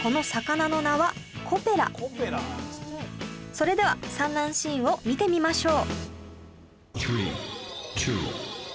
それでは産卵シーンを見てみましょう